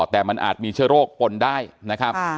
แต่มันอาจมีเชื้อโรคปนได้นะครับ